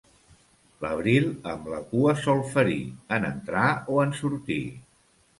L'abril amb la cua sol ferir, en entrar o en sortir.